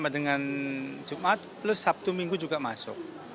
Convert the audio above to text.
dan jumat plus sabtu minggu juga masuk